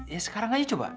ya sekarang aja coba